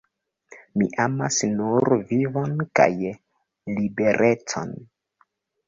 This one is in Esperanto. Mi amas nur vivon kaj liberecon"".